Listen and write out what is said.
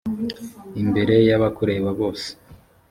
imbere y abakureba bose